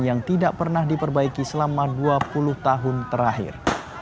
yang tidak pernah diperbaiki selama dua puluh tahun terakhir